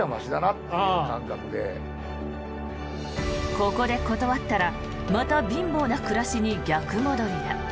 ここで断ったらまた貧乏な暮らしに逆戻りだ。